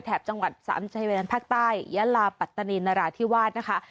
จังหวัดสามชายแดนภาคใต้ยะลาปัตตานีนราธิวาสนะคะ